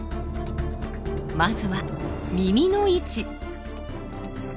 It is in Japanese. まずは耳の位置。